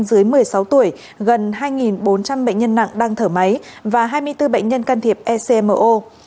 dưới một mươi sáu tuổi gần hai bốn trăm linh bệnh nhân nặng đang thở máy và hai mươi bốn bệnh nhân can thiệp ecmo